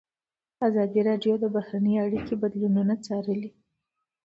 ازادي راډیو د بهرنۍ اړیکې بدلونونه څارلي.